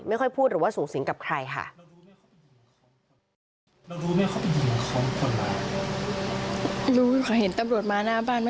ไม่ค่อยพูดหรือว่าสูงสิงห์กับใครค่ะ